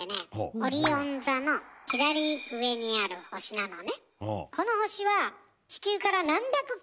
オリオン座の左上にある星なのね。